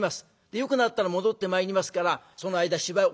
よくなったら戻ってまいりますからその間芝居お願いします」。